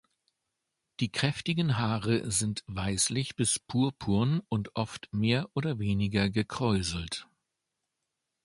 Die kräftigen Haare sind weißlich bis purpurn und oft mehr oder weniger gekräuselt.